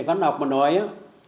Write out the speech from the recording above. văn học mà nói á